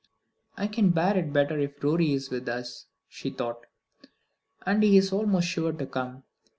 "I can bear it better if Rorie is with us," she thought, "and he is almost sure to come.